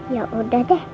ya udah deh